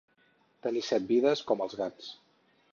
Tenir set vides, com els gats.